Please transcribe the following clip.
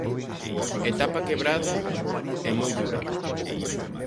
Etapa quebrada e moi dura.